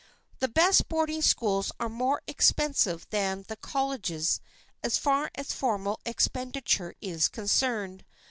The best boarding schools are more expensive than the colleges as far as formal expenditure is concerned.